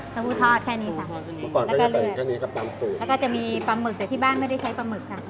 เต้าหู้ทอดแค่นี้ค่ะแล้วก็เลือดแล้วก็จะมีปลาหมึกแต่ที่บ้างไม่ได้ใช้ปลาหมึกค่ะ